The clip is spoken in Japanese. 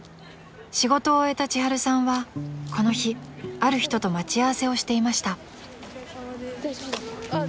仕事を終えたちはるさんはこの日ある人と待ち合わせをしていました］